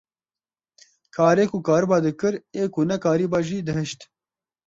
Karê ku kariba dikir ê ku nekariba jî dihişt.